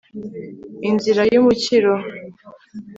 inzira y'umukiro